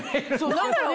何だろう？